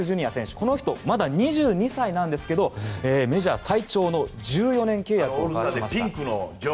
この人はまだ２２歳ですがメジャー最長の１４年契約をしていました。